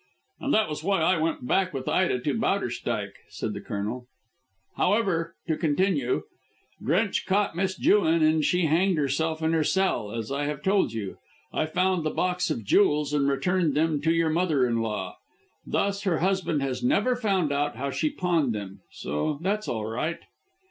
"And that was why I went back with Ida to Bowderstyke," said the Colonel. "However, to continue. Drench caught Miss Jewin and she hanged herself in her cell, as I have told you. I found the box of jewels and returned them to your mother in law. Thus her husband has never found out how she pawned them; so that's all right."